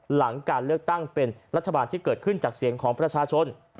หลังการเลือกตั้งเป็นรัฐบาลที่เกิดขึ้นจากเสียงของประชาชน